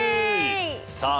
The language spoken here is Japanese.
さあ